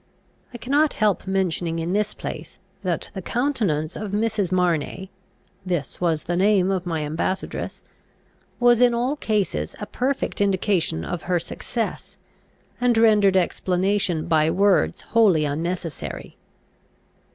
I cannot help mentioning in this place, that the countenance of Mrs. Marney (this was the name of my ambassadress) was in all cases a perfect indication of her success, and rendered explanation by words wholly unnecessary.